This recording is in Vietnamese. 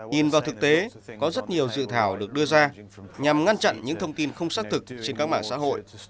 nhìn vào thực tế có rất nhiều dự thảo được đưa ra nhằm ngăn chặn những thông tin không xác thực trên các mạng xã hội